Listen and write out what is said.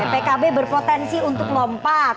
pkb berpotensi untuk lompat